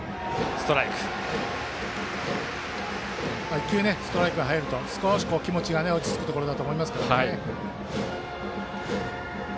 １球、ストライクが入ると少し気持ちが落ち着くところだと思います。